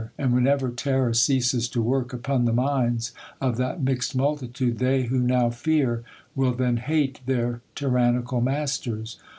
And whenever terror ceases to work upon the minds of that mixed multitude, they who now fear, will then hate their tyrannical masters.